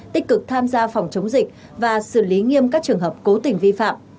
tích cực tham gia phòng chống dịch và xử lý nghiêm các trường hợp cố tình vi phạm